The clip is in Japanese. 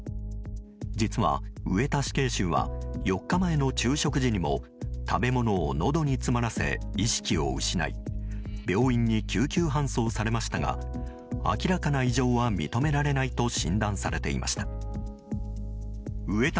実は上田死刑囚は４日前の昼食時にも食べ物をのどに詰まらせ意識を失い病院に救急搬送されましたが明らかな異常は認められないと診断されていました。